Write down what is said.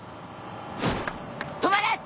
止まれ！